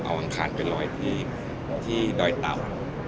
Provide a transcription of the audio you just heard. เอาอังคารไปลอยที่ดอยเต่า